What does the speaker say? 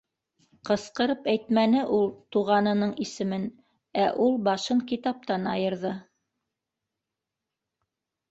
Ҡысҡырып әйтмәне ул туғанының исемен, ә ул башын китаптан айырҙы: